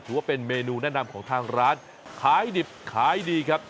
ว่าเป็นเมนูแนะนำของทางร้านขายดิบขายดีครับ